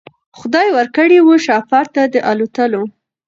خدای ورکړی وو شهپر د الوتلو